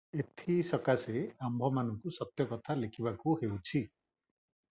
ଏଥିସକାଶେ ଆମ୍ଭେମାନଙ୍କୁ ସତ୍ୟକଥା ଲେଖିବାକୁ ହେଉଛି ।